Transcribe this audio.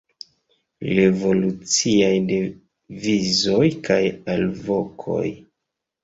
Revoluciaj devizoj kaj alvokoj.